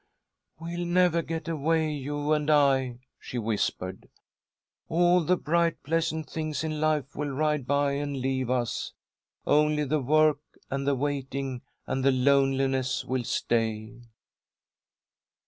"We'll never get away, you and I," she whispered. "All the bright, pleasant things in life will ride by and leave us. Only the work and the waiting and the loneliness will stay."